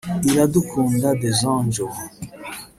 Iradukunda Desanjo)